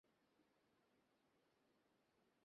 কাজেই কফির পট নিয়ে ফিরে যান, এবং আবারো নতুন করে কফি বানান।